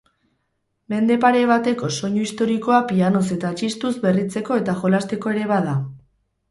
Mende pare bateko soinu historikoa pianoz eta txistuz berritzeko eta jolasteko ere bada.